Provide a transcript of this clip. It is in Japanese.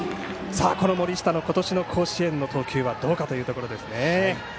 この森下の今年の甲子園の投球はどうかというところですね。